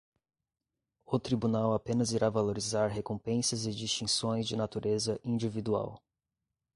O Tribunal apenas irá valorizar recompensas e distinções de natureza individual.